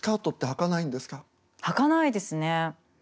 はかないですね。